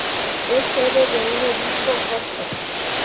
Es sede de un obispo copto.